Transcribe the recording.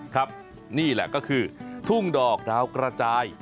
ครับนี่แหละก็คือทุ่งดอกดาวกระจาย